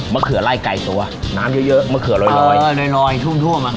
เขือไล่ไกลตัวน้ำเยอะเยอะมะเขือลอยเออลอยท่วมท่วมอ่ะ